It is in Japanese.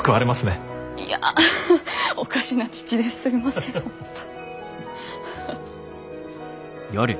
いやハハハおかしな父ですいません本当。